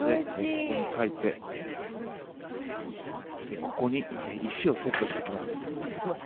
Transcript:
ここに描いてでここに石をセットしときます。